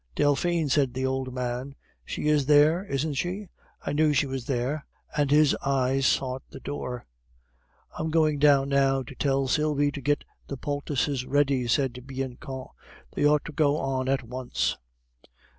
"Delphine," said the old man, "she is there, isn't she? I knew she was there," and his eyes sought the door. "I am going down now to tell Sylvie to get the poultices ready," said Bianchon. "They ought to go on at once."